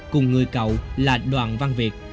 cùng người cậu là đoàn văn việt